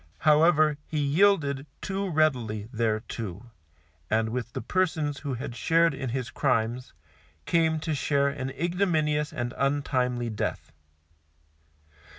However, he yielded too readily thereto, and with the persons who had shared in his crimes, came to share an ignominious and untimely death.